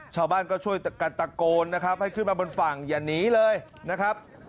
ชาวบ้านก็ช่วยกันตะโกนนะครับให้ขึ้นมาบนฝั่งอย่าหนีเลยนะครับ